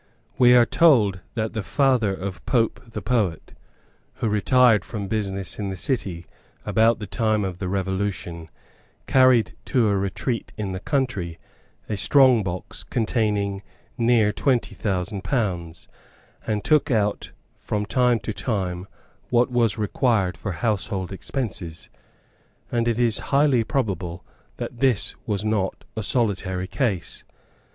We are told that the father of Pope the poet, who retired from business in the City about the time of the Revolution, carried to a retreat in the country a strong box containing near twenty thousand pounds, and took out from time to time what was required for household expenses; and it is highly probable that this was not a solitary case.